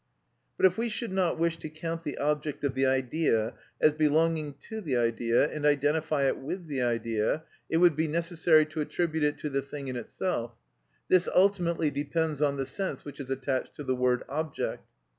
But if we should not wish to count the object of the idea as belonging to the idea and identify it with the idea, it would be necessary to attribute it to the thing in itself: this ultimately depends on the sense which is attached to the word object.